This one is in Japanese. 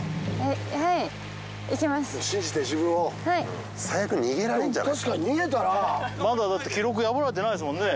はい信じて自分を確かに逃げたらまだだって記録破られてないですもんね